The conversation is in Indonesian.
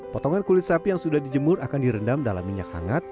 potongan kulit sapi yang sudah dijemur akan direndam dalam minyak hangat